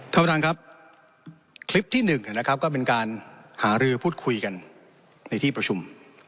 ท่านประธานครับคลิปที่หนึ่งนะครับก็เป็นการหารือพูดคุยกันในที่ประชุม